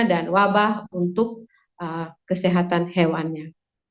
dan wabah untuk kesehatan hewannya